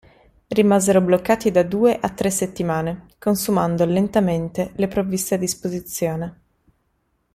Rimasero bloccati da due a tre settimane, consumando lentamente le provviste a disposizione.